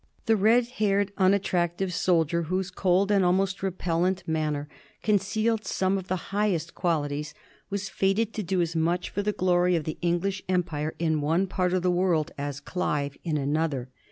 The red haired, un attractive soldier, whose cold and almost repellent man ner concealed some of the highest qualities, was fated to do as much for the glory of the English Empire in one part of the world as Clive in another.